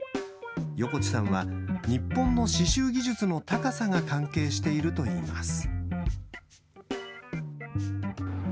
横地さんは日本の刺しゅう技術の高さが関係しているといいます。